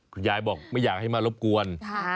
คุณยายต้องพักผ่อน